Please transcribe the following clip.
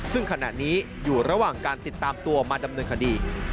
ซึ่งขณะนี้อยู่ระหว่างการติดตามตัวมาดำเนินคดี